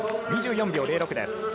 ２４秒０６です。